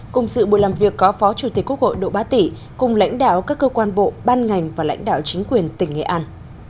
cùng sự buổi làm việc có phó chủ tịch quốc hội độ bá tỉ cùng lãnh đạo các cơ quan bộ ban ngành và lãnh đạo chính quyền tỉnh nghệ an